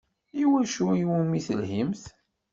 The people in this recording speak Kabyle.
I wacu iwumi telhimt?